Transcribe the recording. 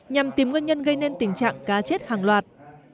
nhằm tìm nguyên nhân gây nên tình trạng cá chết hàng loạt